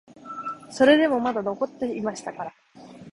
それでもまだ残っていましたから、